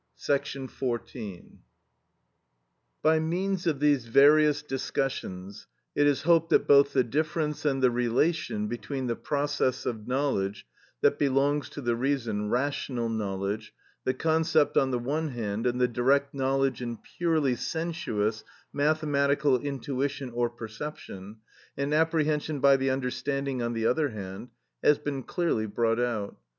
II. ch. vi., § 98.(18) § 14. By means of these various discussions it is hoped that both the difference and the relation between the process of knowledge that belongs to the reason, rational knowledge, the concept on the one hand, and the direct knowledge in purely sensuous, mathematical intuition or perception, and apprehension by the understanding on the other hand, has been clearly brought out.